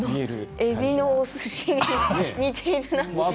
えびのおすしに似ているなって。